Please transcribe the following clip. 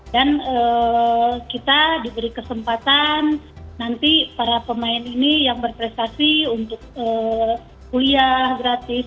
dan kita diberi kesempatan nanti para pemain ini yang berprestasi untuk kuliah gratis